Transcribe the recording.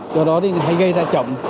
do đó thì hay gây ra chậm